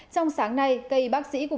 trong sáng nay cây bác sĩ của